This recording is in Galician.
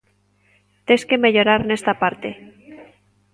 Tes que mellorar nesta parte.